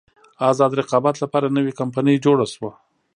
ازاد رقابت لپاره نوې کمپنۍ جوړه شوه.